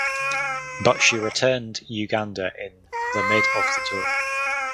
But she returned Uganda in the mid of the tour.